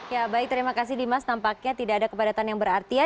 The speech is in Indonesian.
ya baik terima kasih dimas nampaknya tidak ada kepadatan yang berarti ya